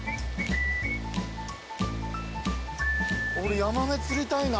俺ヤマメ釣りたいな。